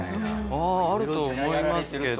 あああると思いますけど。